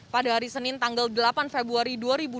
pada hari senin tanggal delapan februari dua ribu dua puluh